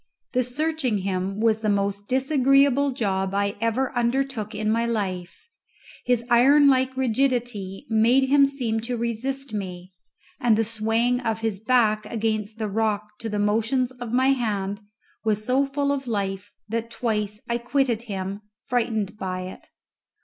The searching him was the most disagreeable job I ever undertook in my life. His iron like rigidity made him seem to resist me, and the swaying of his back against the rock to the motions of my hand was so full of life that twice I quitted him, frightened by it.